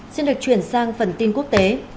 xin được chuyển sang phần tin quốc tế